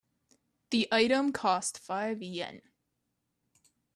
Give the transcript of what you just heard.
The item costs five Yen.